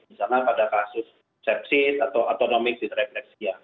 misalnya pada kasus sepsis atau autonomik siterefleksia